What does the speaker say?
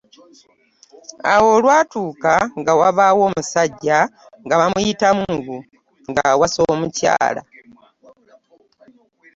Awo olwatuuka nga wabaawo omusajja nga bamuyita Mungu ng’awasa omukyala.